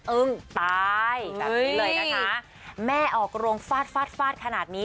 อึ้งตายว่าอย่างนี้เลยนะคะแม่ออกโรงฟาดขนาดนี้